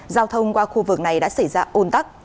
giao thông qua khu vực này đã xảy ra ôn tắc